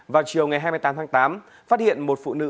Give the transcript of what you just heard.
vào chiều ngày hai mươi tám tháng tám phát hiện một phụ nữ